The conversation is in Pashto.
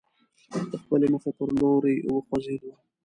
د خپلې موخې پر لوري وخوځېدو.